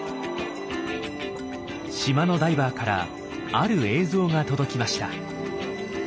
島のダイバーからある映像が届きました。